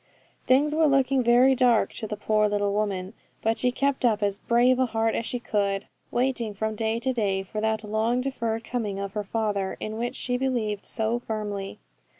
Things were looking very dark to the poor little woman; but she kept up as brave a heart as she could, waiting from day to day for that long deferred coming of her father, in which she believed so firmly.